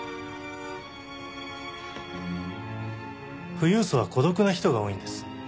富裕層は孤独な人が多いんです。